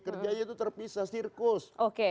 kerjanya itu terpisah sirkus